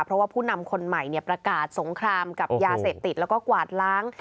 เพราะว่าผู้นำคนใหม่ประกาศสงครามกับยาเสพติดแล้วก็กวาดล้าง